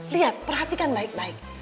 lihat perhatikan baik baik